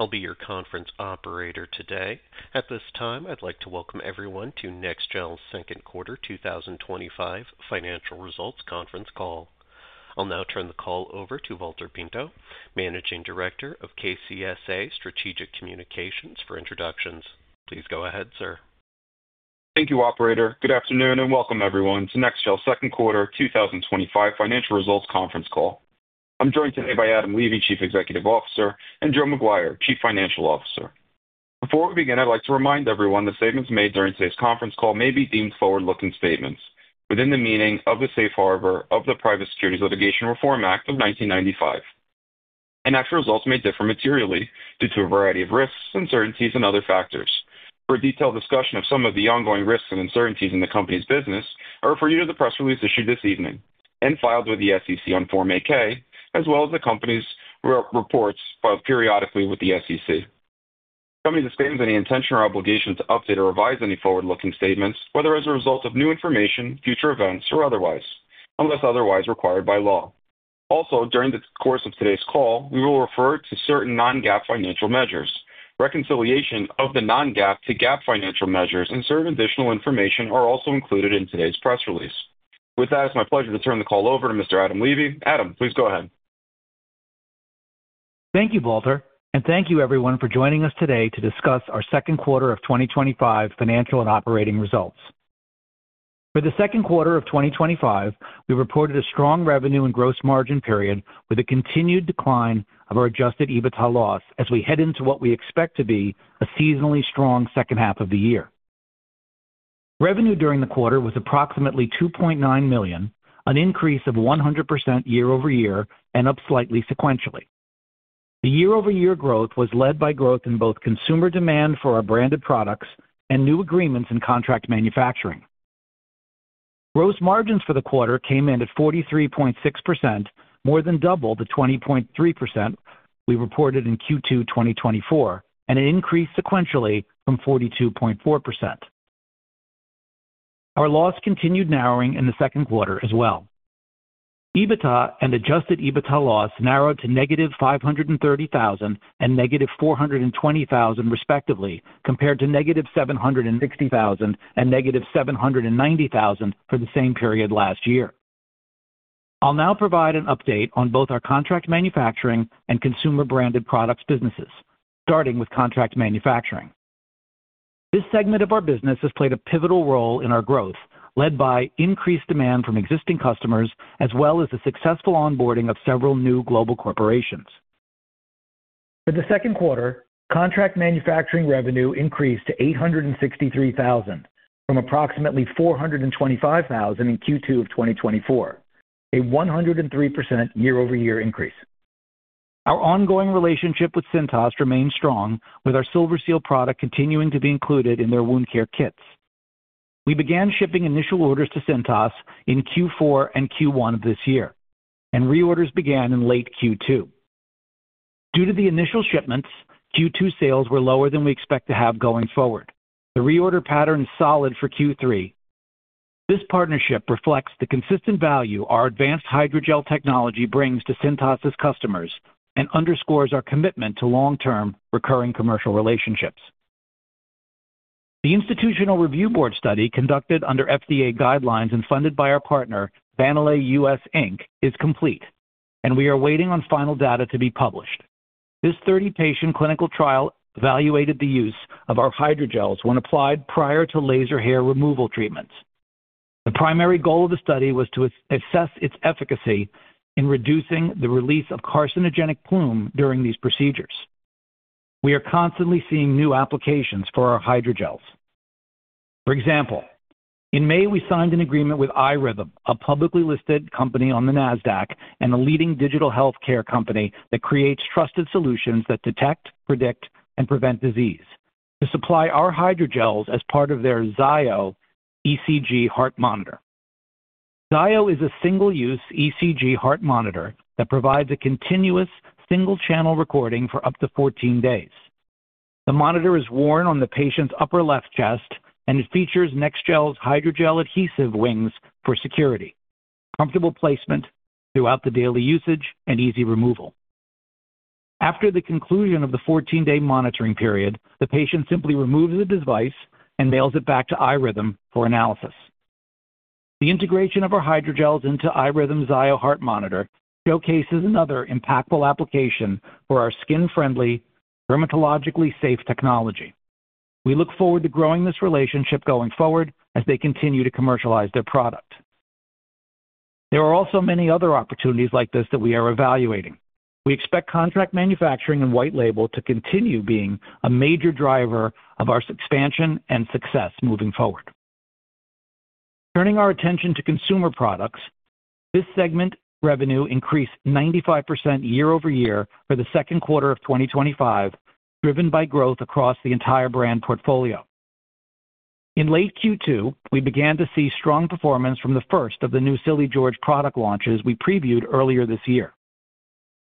Good afternoon. I'll be your conference operator today. At this time, I'd like to welcome everyone to NEXGEL's Second Quarter 2025 Financial Results Conference Call. I'll now turn the call over to Valter Pinto, Managing Director of KCSA Strategic Communications for introductions. Please go ahead, sir. Thank you, Operator. Good afternoon and welcome, everyone, to NEXGEL's Second Quarter 2025 Financial Results Conference Call. I'm joined today by Adam Levy, Chief Executive Officer, and Joseph F. McGuire, Chief Financial Officer. Before we begin, I'd like to remind everyone that statements made during today's conference call may be deemed forward-looking statements within the meaning of the Safe Harbor of the Private Securities Litigation Reform Act of 1995, and actual results may differ materially due to a variety of risks, uncertainties, and other factors. For a detailed discussion of some of the ongoing risks and uncertainties in the company's business, I refer you to the press release issued this evening and filed with the SEC on Form 8-K, as well as the company's reports filed periodically with the SEC. The company disclaims any intention or obligation to update or revise any forward-looking statements, whether as a result of new information, future events, or otherwise, unless otherwise required by law. Also, during the course of today's call, we will refer to certain non-GAAP financial measures. Reconciliation of the non-GAAP to GAAP financial measures and certain additional information are also included in today's press release. With that, it's my pleasure to turn the call over to Mr. Adam Levy. Adam, please go ahead. Thank you, Valter, and thank you, everyone, for joining us today to discuss our second quarter of 2025 financial and operating results. For the second quarter of 2025, we've reported a strong revenue and gross margin period with a continued decline of our adjusted EBITDA loss as we head into what we expect to be a seasonally strong second half of the year. Revenue during the quarter was approximately $2.9 million, an increase of 100% year-over-year and up slightly sequentially. The year-over-year growth was led by growth in both consumer demand for our branded products and new agreements in contract manufacturing. Gross margins for the quarter came in at 43.6%, more than double the 20.3% we reported in Q2 2024, and it increased sequentially from 42.4%. Our loss continued narrowing in the second quarter as well. EBITDA and adjusted EBITDA loss narrowed to -$530,000 and -$420,000 respectively, compared to -$760,000 and -$790,000 for the same period last year. I'll now provide an update on both our contract manufacturing and consumer branded products businesses, starting with contract manufacturing. This segment of our business has played a pivotal role in our growth, led by increased demand from existing customers, as well as the successful onboarding of several new global corporations. For the second quarter, contract manufacturing revenue increased to $863,000 from approximately $425,000 in Q2 of 2024, a 103% year-over-year increase. Our ongoing relationship with Cintas remains strong, with our Silverseal product continuing to be included in their wound care kits. We began shipping initial orders to Cintas in Q4 and Q1 of this year, and reorders began in late Q2. Due to the initial shipments, Q2 sales were lower than we expect to have going forward. The reorder pattern is solid for Q3. This partnership reflects the consistent value our advanced hydrogel technology brings to Cintas' customers and underscores our commitment to long-term, recurring commercial relationships. The Institutional Review Board study conducted under FDA guidelines and funded by our partner, Vanilla US Inc., is complete, and we are waiting on final data to be published. This 30-patient clinical trial evaluated the use of our hydrogels when applied prior to laser hair removal treatments. The primary goal of the study was to assess its efficacy in reducing the release of carcinogenic plume during these procedures. We are constantly seeing new applications for our hydrogels. For example, in May, we signed an agreement with iRhythm, a publicly listed company on the NASDAQ and a leading digital healthcare company that creates trusted solutions that detect, predict, and prevent disease, to supply our hydrogels as part of their Zio ECG heart monitor. Zio is a single-use ECG heart monitor that provides a continuous single-channel recording for up to 14 days. The monitor is worn on the patient's upper left chest, and it features NEXGEL's hydrogel adhesive wings for security, comfortable placement throughout the daily usage, and easy removal. After the conclusion of the 14-day monitoring period, the patient simply removes the device and mails it back to iRhythm Technologies for analysis. The integration of our hydrogels into iRhythm's Zio heart monitor showcases another impactful application for our skin-friendly, dermatologically safe technology. We look forward to growing this relationship going forward as they continue to commercialize their product. There are also many other opportunities like this that we are evaluating. We expect contract manufacturing and white label to continue being a major driver of our expansion and success moving forward. Turning our attention to consumer products, this segment revenue increased 95% year-over-year for the second quarter of 2025, driven by growth across the entire brand portfolio. In late Q2, we began to see strong performance from the first of the new Silly George product launches we previewed earlier this year.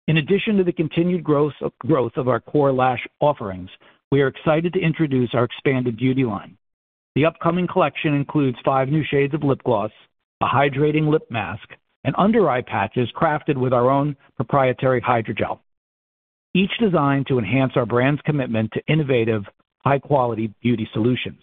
In addition to the continued growth of our core lash offerings, we are excited to introduce our expanded beauty line. The upcoming collection includes five new shades of lip gloss, a hydrating lip mask, and under-eye patches crafted with our own proprietary hydrogel, each designed to enhance our brand's commitment to innovative, high-quality beauty solutions.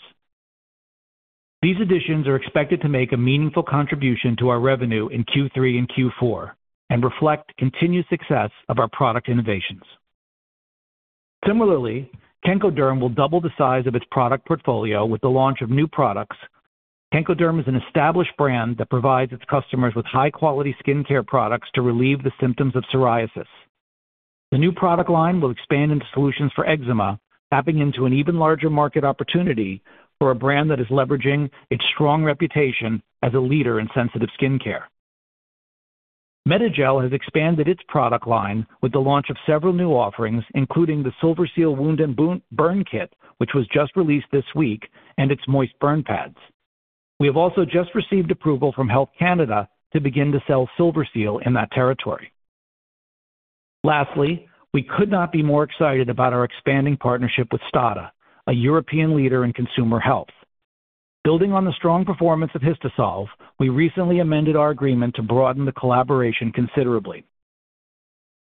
These additions are expected to make a meaningful contribution to our revenue in Q3 and Q4 and reflect continued success of our product innovations. Similarly, Kenkoderm will double the size of its product portfolio with the launch of new products. Kenkoderm is an established brand that provides its customers with high-quality skincare products to relieve the symptoms of psoriasis. The new product line will expand into solutions for eczema, tapping into an even larger market opportunity for a brand that is leveraging its strong reputation as a leader in sensitive skincare. NEXGEL has expanded its product line with the launch of several new offerings, including the Silverseal wound and burn kit, which was just released this week, and its moist burn pads. We have also just received approval from Health Canada to begin to sell Silverseal in that territory. Lastly, we could not be more excited about our expanding partnership with STADA, a European leader in consumer health. Building on the strong performance of HistaSolve, we recently amended our agreement to broaden the collaboration considerably.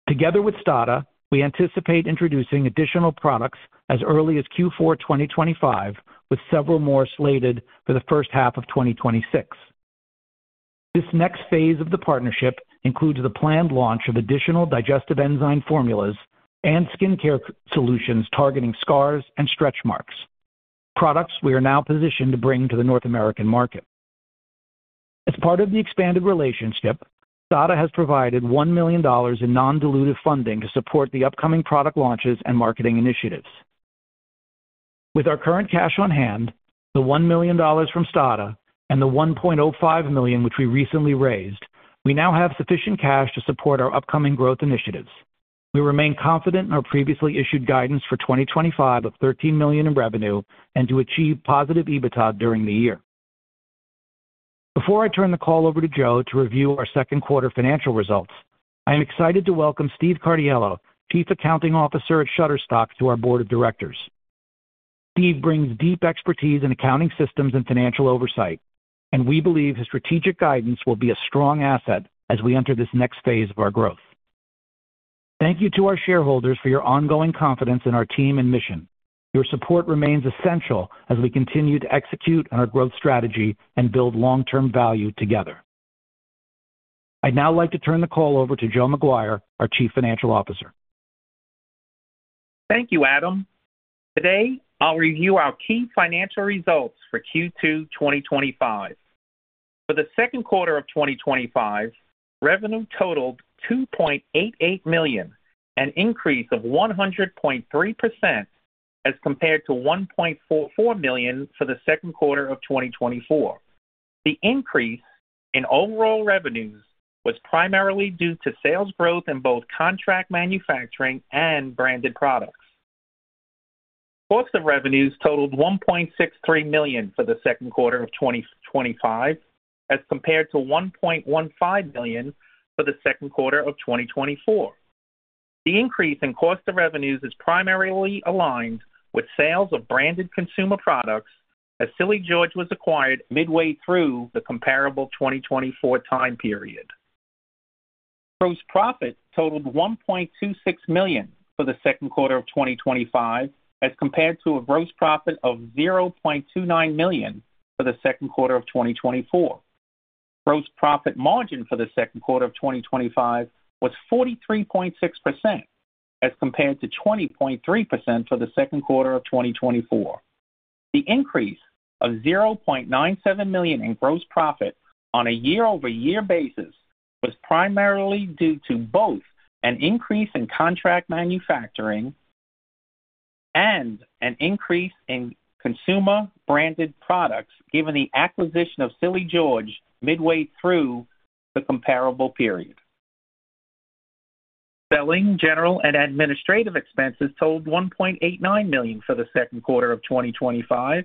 Together with STADA, we anticipate introducing additional products as early as Q4 2025, with several more slated for the first half of 2026. This next phase of the partnership includes the planned launch of additional digestive enzyme formulas and skincare solutions targeting scars and stretch marks, products we are now positioned to bring to the North American market. As part of the expanded relationship, STADA has provided $1 million in non-dilutive funding to support the upcoming product launches and marketing initiatives. With our current cash on hand, the $1 million from STADA and the $1.05 million which we recently raised, we now have sufficient cash to support our upcoming growth initiatives. We remain confident in our previously issued guidance for 2025 of $13 million in revenue and to achieve positive EBITDA during the year. Before I turn the call over to Joe to review our second quarter financial results, I am excited to welcome Steve Cardiello, Chief Accounting Officer at Shutterstock, to our Board of Directors. Steve brings deep expertise in accounting systems and financial oversight, and we believe his strategic guidance will be a strong asset as we enter this next phase of our growth. Thank you to our shareholders for your ongoing confidence in our team and mission. Your support remains essential as we continue to execute on our growth strategy and build long-term value together. I'd now like to turn the call over to Joe McGuire, our Chief Financial Officer. Thank you, Adam. Today, I'll review our key financial results for Q2 2025. For the second quarter of 2025, revenue totaled $2.88 million, an increase of 100.3% as compared to $1.44 million for the second quarter of 2024. The increase in overall revenues was primarily due to sales growth in both contract manufacturing and branded products. Cost of revenues totaled $1.63 million for the second quarter of 2025, as compared to $1.15 million for the second quarter of 2024. The increase in cost of revenues is primarily aligned with sales of branded consumer products as Silly George was acquired midway through the comparable 2024 time period. Gross profit totaled $1.26 million for the second quarter of 2025, as compared to a gross profit of $0.29 million for the second quarter of 2024. Gross profit margin for the second quarter of 2025 was 43.6%, as compared to 20.3% for the second quarter of 2024. The increase of $0.97 million in gross profit on a year-over-year basis was primarily due to both an increase in contract manufacturing and an increase in consumer branded products given the acquisition of Silly George midway through the comparable period. Selling, general and administrative expenses totaled $1.89 million for the second quarter of 2025,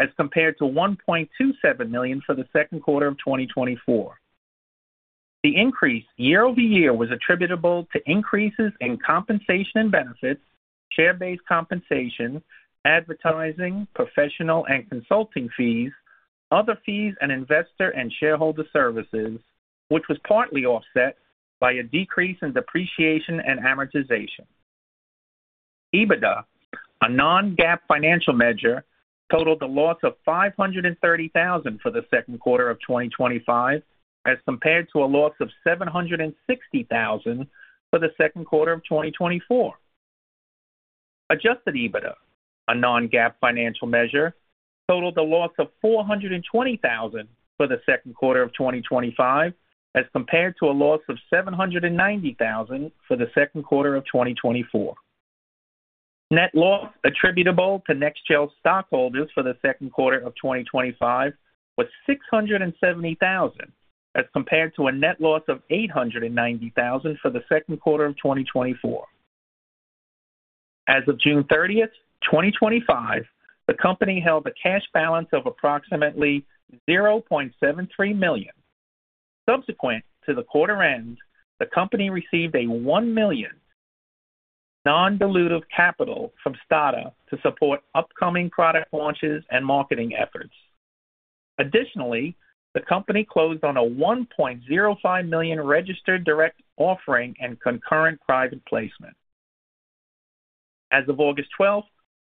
as compared to $1.27 million for the second quarter of 2024. The increase year over year was attributable to increases in compensation and benefits, share-based compensation, advertising, professional and consulting fees, other fees, and investor and shareholder services, which was partly offset by a decrease in depreciation and amortization. EBITDA, a non-GAAP financial measure, totaled a loss of $530,000 for the second quarter of 2025, as compared to a loss of $760,000 for the second quarter of 2024. Adjusted EBITDA, a non-GAAP financial measure, totaled a loss of $420,000 for the second quarter of 2025, as compared to a loss of $790,000 for the second quarter of 2024. Net loss attributable to NEXGEL stockholders for the second quarter of 2025 was $670,000, as compared to a net loss of $890,000 for the second quarter of 2024. As of June 30th, 2025, the company held a cash balance of approximately $0.73 million. Subsequent to the quarter end, the company received $1 million non-dilutive capital from STADA to support upcoming product launches and marketing efforts. Additionally, the company closed on a $1.05 million registered direct offering and concurrent private placement. As of August 12tg,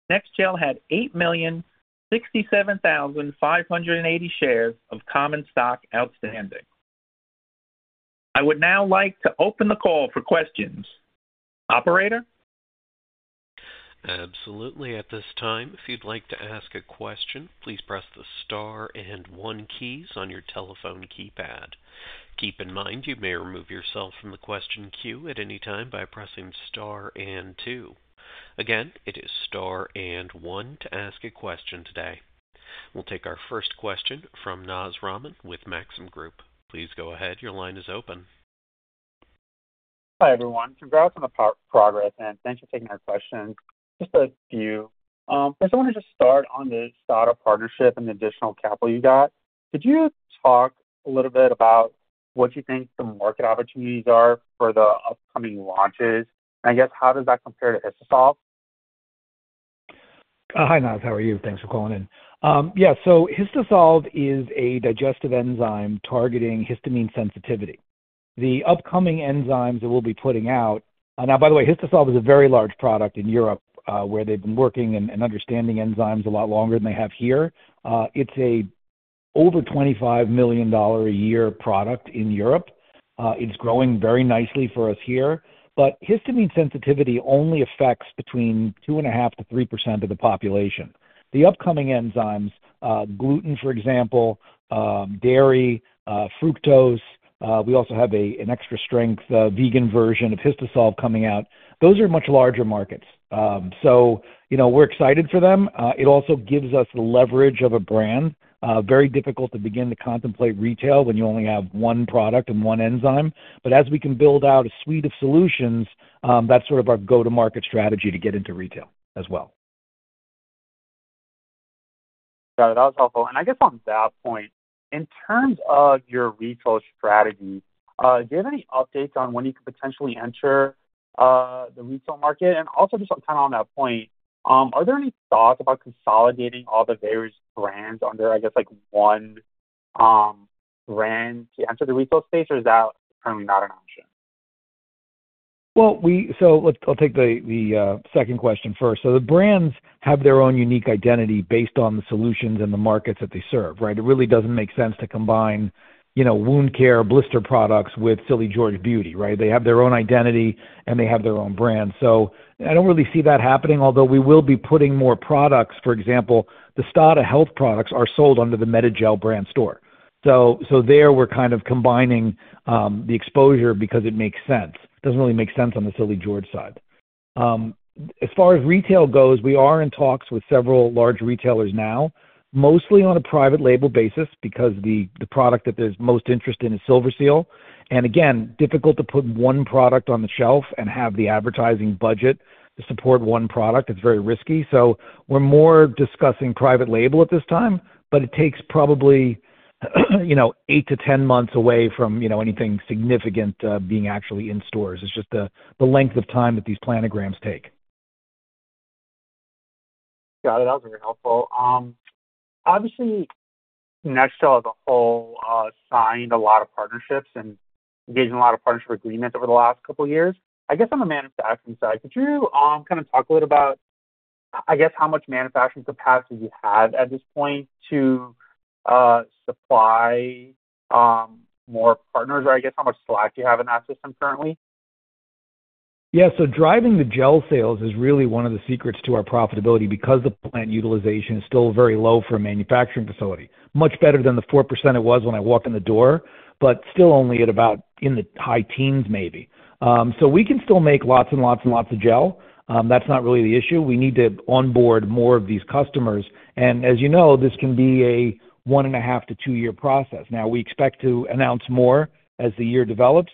NEXGEL had 8,067,580 shares of common stock outstanding. I would now like to open the call for questions. Operator? Absolutely. At this time, if you'd like to ask a question, please press the star and 1 keys on your telephone keypad. Keep in mind you may remove yourself from the question queue at any time by pressing Star and two. Again, it is Star and one to ask a question today. We'll take our first question from Naz Rahman with Maxim Group. Please go ahead. Your line is open. Hi, everyone. Congrats on the progress and thanks for taking our questions. Just a few. I want to start on this STADA partnership and the additional capital you got. Could you talk a little bit about what you think some market opportunities are for the upcoming launches? I guess, how does that compare to HistaSolve? Hi, Naz. How are you? Thanks for calling in. Yeah, so HistaSolve is a digestive enzyme targeting histamine sensitivity. The upcoming enzymes that we'll be putting out, now, by the way, HistaSolve is a very large product in Europe where they've been working and understanding enzymes a lot longer than they have here. It's an over $25 million a year product in Europe. It's growing very nicely for us here. Histamine sensitivity only affects between 2.5%-3% of the population. The upcoming enzymes, gluten, for example, dairy, fructose, we also have an extra strength vegan version of HistaSolve coming out. Those are much larger markets. We're excited for them. It also gives us the leverage of a brand. Very difficult to begin to contemplate retail when you only have one product and one enzyme. As we can build out a suite of solutions, that's sort of our go-to-market strategy to get into retail as well. Got it. That was helpful. I guess on that point, in terms of your retail strategy, do you have any updates on when you could potentially enter the retail market? Also, just kind of on that point, are there any thoughts about consolidating all the various brands under, I guess, like one brand to enter the retail space, or is that currently not an option? I'll take the second question first. The brands have their own unique identity based on the solutions and the markets that they serve, right? It really doesn't make sense to combine, you know, wound care blister products with Silly George Beauty, right? They have their own identity and they have their own brand. I don't really see that happening, although we will be putting more products. For example, the STADA health products are sold under the Medagel brand store. There we're kind of combining the exposure because it makes sense. It doesn't really make sense on the Silly George side. As far as retail goes, we are in talks with several large retailers now, mostly on a private label basis because the product that there's most interest in is Silverseal. Again, it's difficult to put one product on the shelf and have the advertising budget to support one product. It's very risky. We're more discussing private label at this time, but it takes probably, you know, 8-10 months away from anything significant being actually in stores. It's just the length of time that these planograms take. Got it. That was very helpful. Obviously, NEXGEL as a whole signed a lot of partnerships and engaged in a lot of partnership agreements over the last couple of years. I guess on the manufacturing side, could you talk a little bit about how much manufacturing capacity you have at this point to supply more partners or how much slack you have in that system currently? Yeah, so driving the gel sales is really one of the secrets to our profitability because the plant utilization is still very low for a manufacturing facility. Much better than the 4% it was when I walked in the door, but still only at about in the high teens, maybe. We can still make lots and lots and lots of gel. That's not really the issue. We need to onboard more of these customers. As you know, this can be a one and a half to two-year process. We expect to announce more as the year develops.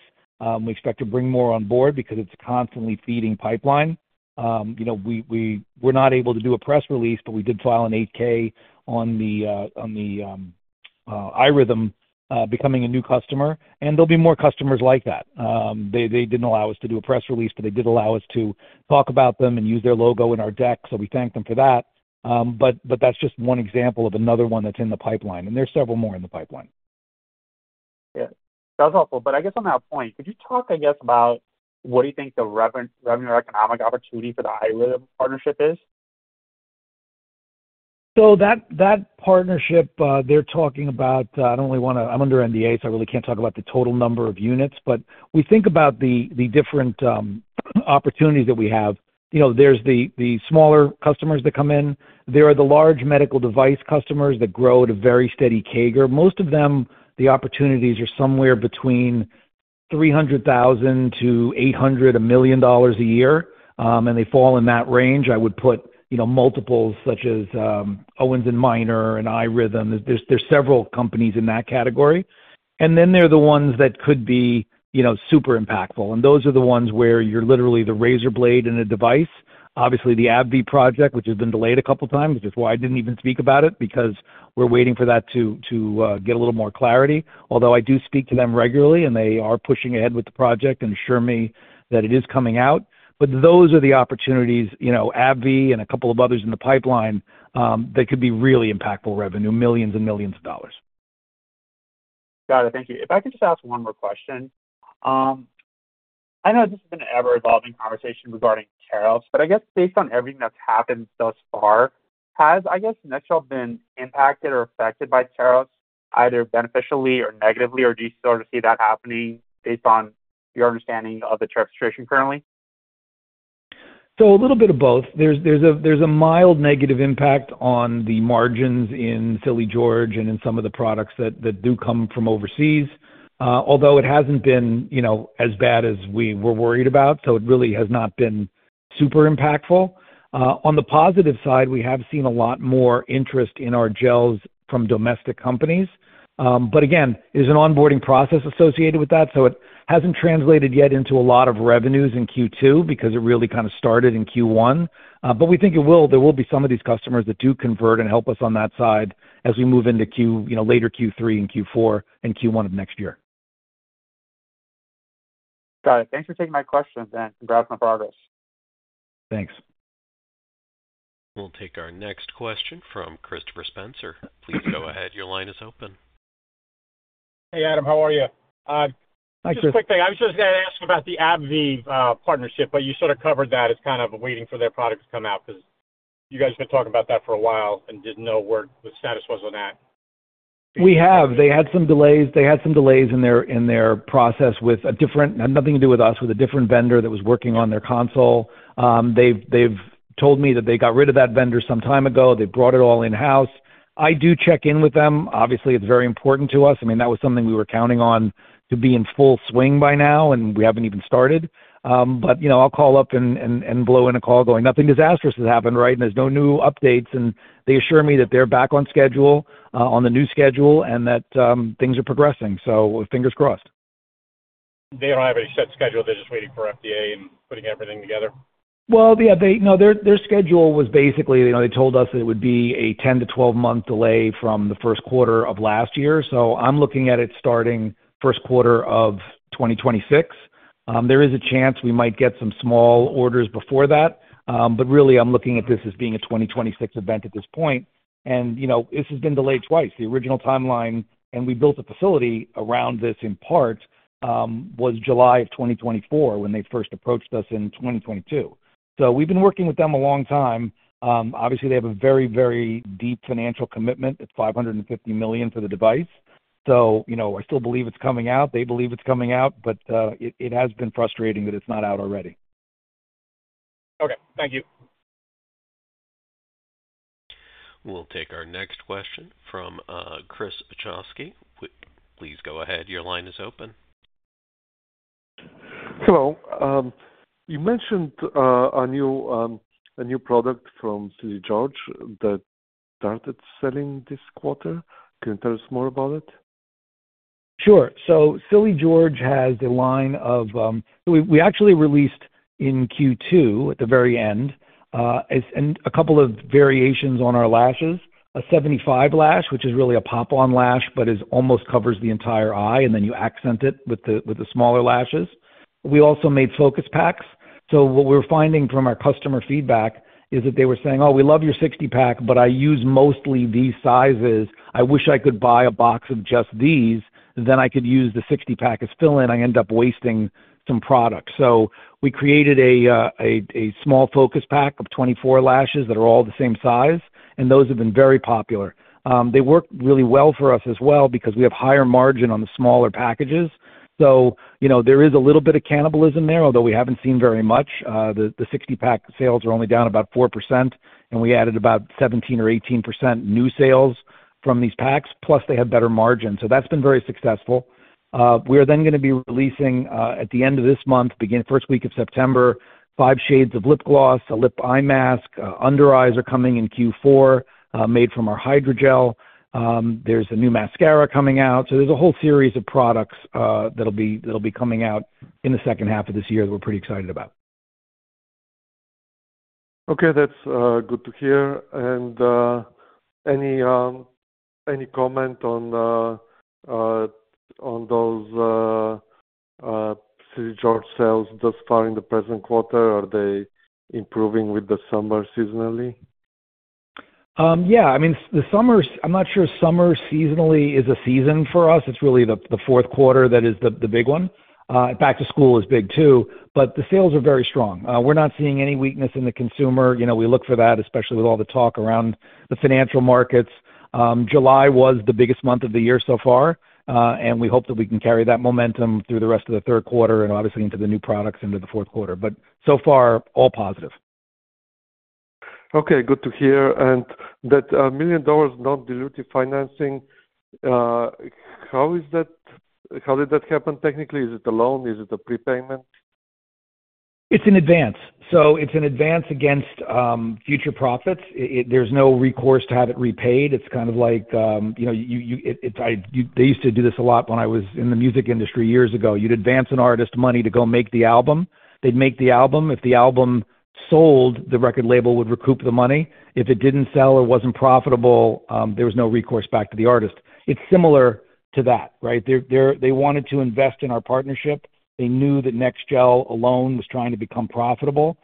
We expect to bring more on board because it's a constantly feeding pipeline. We were not able to do a press release, but we did file an 8K on the iRhythm becoming a new customer. There'll be more customers like that. They didn't allow us to do a press release, but they did allow us to talk about them and use their logo in our deck. We thank them for that. That's just one example of another one that's in the pipeline. There are several more in the pipeline. Yeah, that was helpful. I guess on that point, could you talk about what do you think the revenue economic opportunity for the iRhythm partnership is? That partnership they're talking about, I don't really want to, I'm under NDA, so I really can't talk about the total number of units, but we think about the different opportunities that we have. There are the smaller customers that come in. There are the large medical device customers that grow at a very steady CAGR. Most of them, the opportunities are somewhere between $300,000-$800,000, $1 million a year, and they fall in that range. I would put multiples such as Owens & Minor and iRhythm. There are several companies in that category. There are the ones that could be super impactful. Those are the ones where you're literally the razor blade in a device. Obviously, the AbbVie project, which has been delayed a couple of times, which is why I didn't even speak about it because we're waiting for that to get a little more clarity. Although I do speak to them regularly, and they are pushing ahead with the project and assure me that it is coming out. Those are the opportunities, AbbVie and a couple of others in the pipeline that could be really impactful revenue, millions and millions of dollars. Got it. Thank you. If I could just ask one more question. I know this is an ever-evolving conversation regarding tariffs, but I guess based on everything that's happened thus far, has NEXGEL been impacted or affected by tariffs, either beneficially or negatively, or do you still see that happening based on your understanding of the tariff situation currently? There is a mild negative impact on the margins in Silly George and in some of the products that do come from overseas, although it hasn't been, you know, as bad as we were worried about. It really has not been super impactful. On the positive side, we have seen a lot more interest in our gels from domestic companies. Again, there's an onboarding process associated with that. It hasn't translated yet into a lot of revenues in Q2 because it really kind of started in Q1. We think there will be some of these customers that do convert and help us on that side as we move into later Q3 and Q4 and Q1 of next year. Got it. Thanks for taking my questions and congrats on the progress. Thanks. We'll take our next question from Christopher Spencer. Please go ahead. Your line is open. Hey, Adam. How are you? Hi, Chris. Just a quick thing. I was going to ask about the AbbVie partnership, but you sort of covered that as kind of waiting for their product to come out because you guys have been talking about that for a while and didn't know where the status was on that. We have. They had some delays in their process with a different, nothing to do with us, with a different vendor that was working on their console. They've told me that they got rid of that vendor some time ago. They brought it all in-house. I do check in with them. Obviously, it's very important to us. I mean, that was something we were counting on to be in full swing by now, and we haven't even started. I'll call up and blow in a call going, "Nothing disastrous has happened, right? And there's no new updates." They assure me that they're back on schedule, on the new schedule, and that things are progressing. Fingers crossed. They don't have a set schedule. They're just waiting for FDA and putting everything together. Their schedule was basically, you know, they told us that it would be a 10-12-month delay from the first quarter of last year. I'm looking at it starting first quarter of 2026. There is a chance we might get some small orders before that. Really, I'm looking at this as being a 2026 event at this point. This has been delayed twice. The original timeline, and we built a facility around this in part, was July of 2024 when they first approached us in 2022. We've been working with them a long time. Obviously, they have a very, very deep financial commitment. It's $550 million for the device. I still believe it's coming out. They believe it's coming out, but it has been frustrating that it's not out already. Okay, thank you. We'll take our next question from Chris Ochoski. Please go ahead. Your line is open. Hello. You mentioned a new product from Silly George that started selling this quarter. Can you tell us more about it? Sure. Silly George has a line of, we actually released in Q2 at the very end, and a couple of variations on our lashes, a 75 lash, which is really a pop-on lash, but it almost covers the entire eye, and then you accent it with the smaller lashes. We also made focus packs. What we're finding from our customer feedback is that they were saying, "Oh, we love your 60-pack, but I use mostly these sizes. I wish I could buy a box of just these. Then I could use the 60-pack as fill-in. I end up wasting some product." We created a small focus pack of 24 lashes that are all the same size, and those have been very popular. They work really well for us as well because we have higher margin on the smaller packages. There is a little bit of cannibalism there, although we haven't seen very much. The 60-pack sales are only down about 4%, and we added about 17% or 18% new sales from these packs, plus they have better margin. That's been very successful. We are going to be releasing at the end of this month, beginning the first week of September, five shades of lip gloss, a lip eye mask, under eyes are coming in Q4, made from our hydrogel. There's a new mascara coming out. There is a whole series of products that'll be coming out in the second half of this year that we're pretty excited about. Okay. That's good to hear. Any comment on those Silly George sales thus far in the present quarter? Are they improving with the summer seasonally? Yeah. I mean, the summer, I'm not sure summer seasonally is a season for us. It's really the fourth quarter that is the big one. Back to school is big too. The sales are very strong. We're not seeing any weakness in the consumer. You know, we look for that, especially with all the talk around the financial markets. July was the biggest month of the year so far, and we hope that we can carry that momentum through the rest of the third quarter and obviously into the new products into the fourth quarter. So far, all positive. Okay. Good to hear. That $1 million non-dilutive financing, how is that, how did that happen technically? Is it a loan? Is it a prepayment? It's an advance. It's an advance against future profits. There's no recourse to have it repaid. It's kind of like, you know, they used to do this a lot when I was in the music industry years ago. You'd advance an artist's money to go make the album. They'd make the album. If the album sold, the record label would recoup the money. If it didn't sell or wasn't profitable, there was no recourse back to the artist. It's similar to that, right? They wanted to invest in our partnership. They knew that NEXGEL alone was trying to become profitable.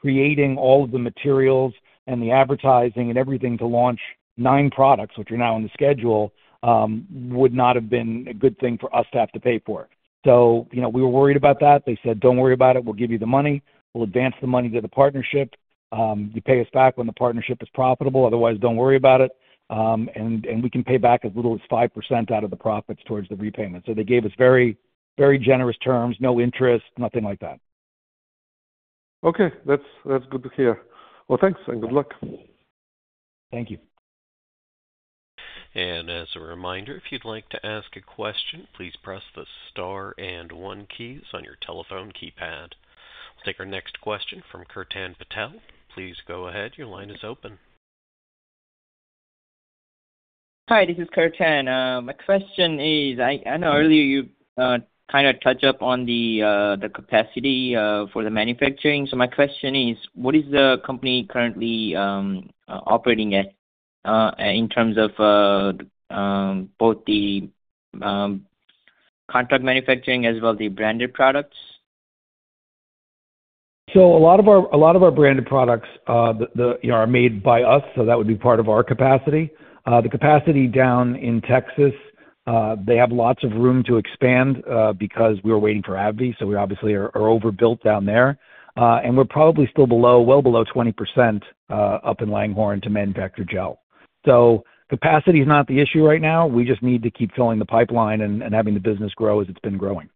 Creating all of the materials and the advertising and everything to launch nine products, which are now on the schedule, would not have been a good thing for us to have to pay for. We were worried about that. They said, "Don't worry about it. We'll give you the money. We'll advance the money to the partnership. You pay us back when the partnership is profitable. Otherwise, don't worry about it. And we can pay back as little as 5% out of the profits towards the repayment." They gave us very, very generous terms, no interest, nothing like that. Okay. That's good to hear. Thanks and good luck. Thank you. As a reminder, if you'd like to ask a question, please press the Star and one keys on your telephone keypad. We'll take our next question from Kirtan Patel. Please go ahead. Your line is open. Hi, this is Kirtan. My question is, I know earlier you kind of touched up on the capacity for the manufacturing. My question is, what is the company currently operating at in terms of both the contract manufacturing as well as the branded products? A lot of our branded products are made by us, so that would be part of our capacity. The capacity down in Texas, they have lots of room to expand because we were waiting for AbbVie. We obviously are overbuilt down there, and we're probably still well below 20% up in Langhorne to manufacture gel. Capacity is not the issue right now. We just need to keep filling the pipeline and having the business grow as it's been growing.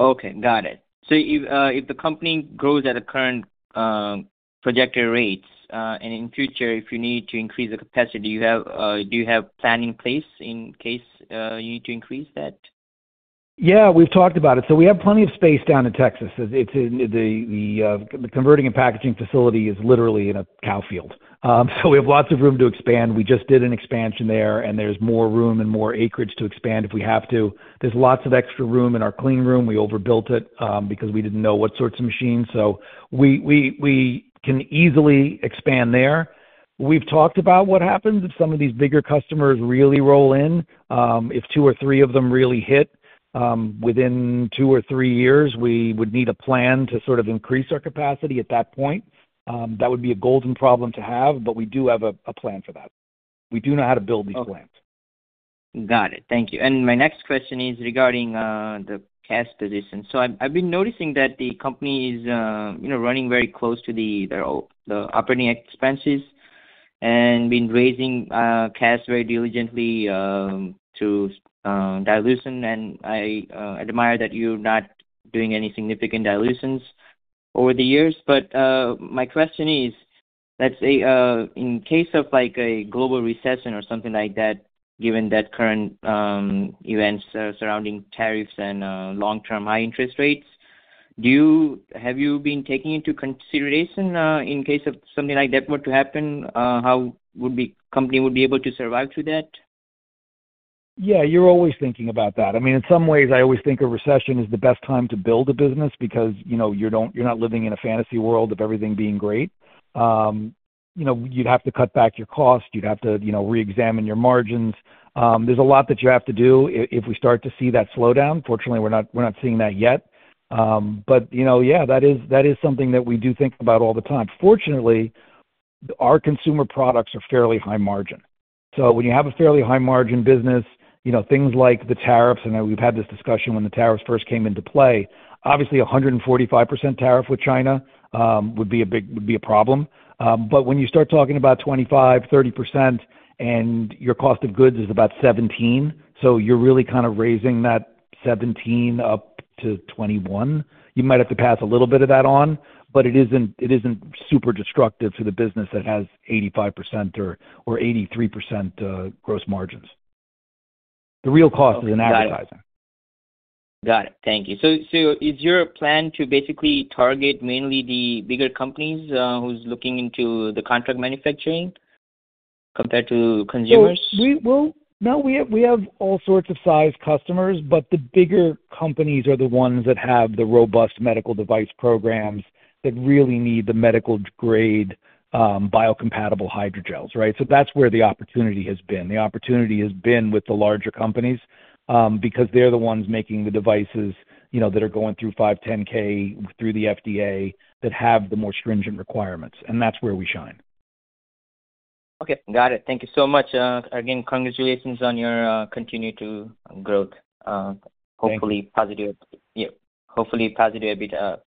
Okay. Got it. If the company grows at the current projected rates, and in the future, if you need to increase the capacity, do you have a plan in place in case you need to increase that? Yeah, we've talked about it. We have plenty of space down in Texas. The converting and packaging facility is literally in a cow field, so we have lots of room to expand. We just did an expansion there, and there's more room and more acreage to expand if we have to. There's lots of extra room in our clean room. We overbuilt it because we didn't know what sorts of machines, so we can easily expand there. We've talked about what happens if some of these bigger customers really roll in. If two or three of them really hit within two or three years, we would need a plan to sort of increase our capacity at that point. That would be a golden problem to have, but we do have a plan for that. We do know how to build these plans. Got it. Thank you. My next question is regarding the cash position. I've been noticing that the company is running very close to the operating expenses and been raising cash very diligently to dilution. I admire that you're not doing any significant dilutions over the years. My question is, let's say in case of a global recession or something like that, given the current events surrounding tariffs and long-term high interest rates, have you been taking into consideration in case something like that were to happen? How would the company be able to survive through that? Yeah, you're always thinking about that. I mean, in some ways, I always think a recession is the best time to build a business because, you know, you're not living in a fantasy world of everything being great. You have to cut back your costs. You have to, you know, reexamine your margins. There's a lot that you have to do if we start to see that slowdown. Fortunately, we're not seeing that yet. That is something that we do think about all the time. Fortunately, our consumer products are fairly high margin. When you have a fairly high margin business, things like the tariffs, and we've had this discussion when the tariffs first came into play, obviously, a 145% tariff with China would be a problem. When you start talking about 25%, 30%, and your cost of goods is about 17%, so you're really kind of raising that 17% up to 21%. You might have to pass a little bit of that on, but it isn't super destructive to the business that has 85% or 83% gross margins. The real cost is in advertising. Got it. Thank you. Is your plan to basically target mainly the bigger companies who are looking into the contract manufacturing compared to consumers? We have all sorts of size customers, but the bigger companies are the ones that have the robust medical device programs that really need the medical-grade biocompatible hydrogels, right? That's where the opportunity has been. The opportunity has been with the larger companies because they're the ones making the devices, you know, that are going through 510(k) through the FDA that have the more stringent requirements. That's where we shine. Okay. Got it. Thank you so much. Again, congratulations on your continued growth. Hopefully, positive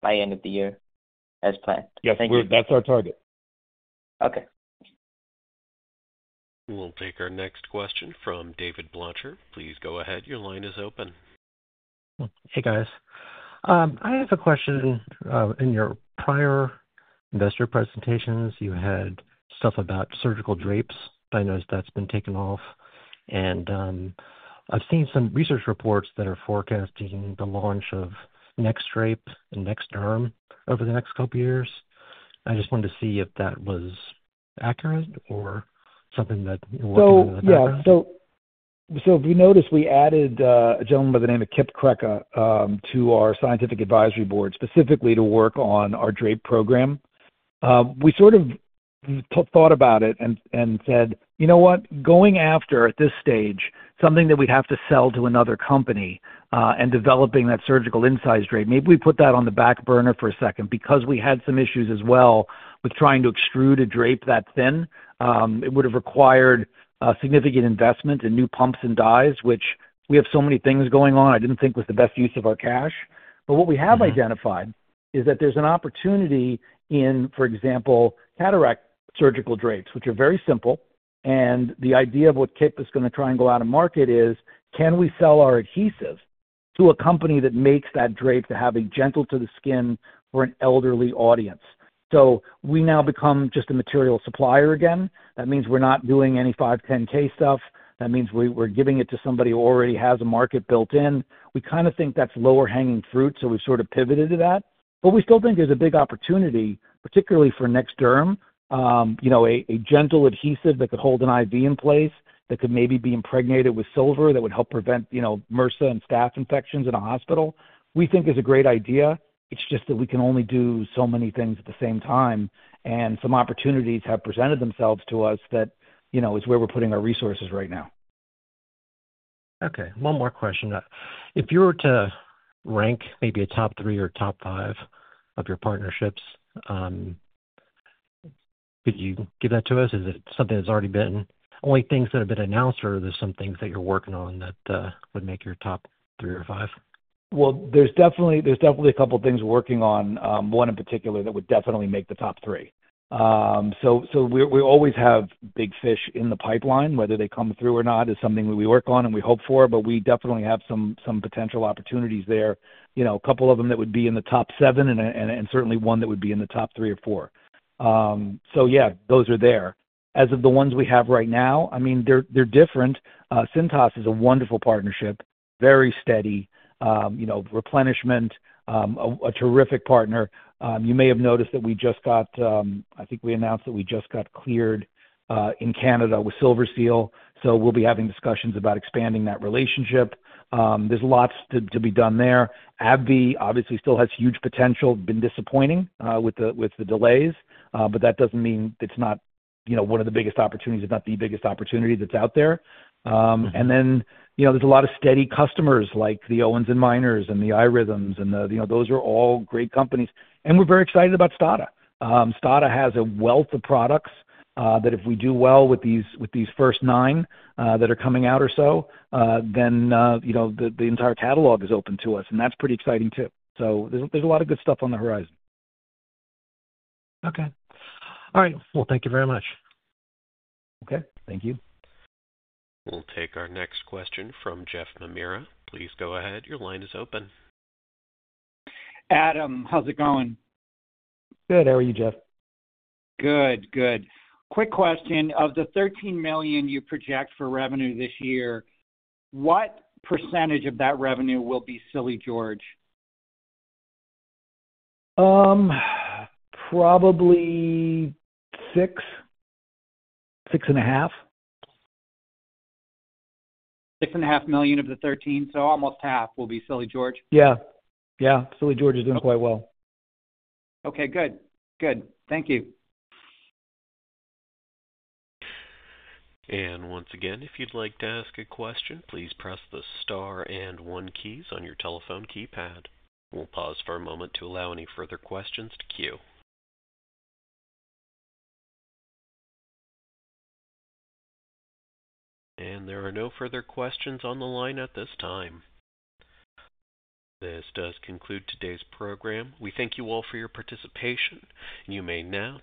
by the end of the year as planned. Yeah, that's our target. Okay. We'll take our next question from David Blanchard. Please go ahead. Your line is open. Hey, guys. I have a question. In your prior industrial presentations, you had stuff about surgical drapes, but I noticed that's been taken off. I've seen some research reports that are forecasting the launch of Next Drape and Next Derm over the next couple of years. I just wanted to see if that was accurate or something that wasn't accurate. If you notice, we added a gentleman by the name of Kip Krecker to our Scientific Advisory Board specifically to work on our drape program. We sort of thought about it and said, "You know what? Going after at this stage, something that we'd have to sell to another company and developing that surgical inside drape, maybe we put that on the back burner for a second because we had some issues as well with trying to extrude a drape that thin." It would have required significant investment in new pumps and dies, which we have so many things going on. I didn't think was the best use of our cash. What we have identified is that there's an opportunity in, for example, cataract surgical drapes, which are very simple. The idea of what Kip is going to try and go out and market is, can we sell our adhesive to a company that makes that drape to have a gentle-to-the-skin for an elderly audience? We now become just a material supplier again. That means we're not doing any 510(k) stuff. That means we're giving it to somebody who already has a market built in. We kind of think that's lower-hanging fruit. We've sort of pivoted to that. We still think there's a big opportunity, particularly for Next Derm, you know, a gentle adhesive that could hold an IV in place that could maybe be impregnated with silver that would help prevent MRSA and staph infections in a hospital. We think it's a great idea. It's just that we can only do so many things at the same time. Some opportunities have presented themselves to us that, you know, is where we're putting our resources right now. Okay. One more question. If you were to rank maybe a top three or top five of your partnerships, could you give that to us? Is it something that's already been only things that have been announced, or are there some things that you're working on that would make your top three or five? There are definitely a couple of things we're working on, one in particular that would definitely make the top three. We always have big fish in the pipeline. Whether they come through or not is something that we work on and we hope for, but we definitely have some potential opportunities there. A couple of them would be in the top seven and certainly one that would be in the top three or four. Those are there. As of the ones we have right now, they're different. Cintas is a wonderful partnership, very steady, replenishment, a terrific partner. You may have noticed that we just got, I think we announced that we just got cleared in Canada with Silverseal. We will be having discussions about expanding that relationship. There's lots to be done there. AbbVie obviously still has huge potential. It's been disappointing with the delays, but that doesn't mean it's not one of the biggest opportunities, if not the biggest opportunity that's out there. There are a lot of steady customers like the Owens & Minors and the iRhythmS, and those are all great companies. We are very excited about STADA. STADA has a wealth of products that if we do well with these first nine that are coming out or so, then the entire catalog is open to us. That's pretty exciting too. There is a lot of good stuff on the horizon. Okay. All right. Thank you very much. Okay, thank you. We'll take our next question from Jeff Mamyra. Please go ahead. Your line is open. Adam, how's it going? Good. How are you, Joe? Good, good. Quick question. Of the $13 million you project for revenue this year, what % of that revenue will be Silly George? Probably $6 million, $6.5 million of the $13 million, so almost half will be Silly George? Yeah, yeah. Silly George is doing quite well. Okay. Good. Good. Thank you. If you'd like to ask a question, please press the Star and one keys on your telephone keypad. We'll pause for a moment to allow any further questions to queue. There are no further questions on the line at this time. This does conclude today's program. We thank you all for your participation. You may now.